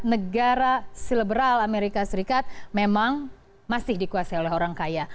negara celebral amerika serikat memang masih dikuasai oleh orang kaya